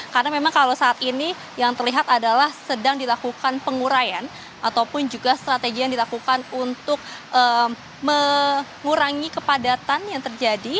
karena memang kalau saat ini yang terlihat adalah sedang dilakukan pengurayan ataupun juga strategi yang dilakukan untuk mengurangi kepadatan yang terjadi